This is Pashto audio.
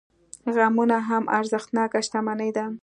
غمونه هم ارزښتناکه شتمني ده.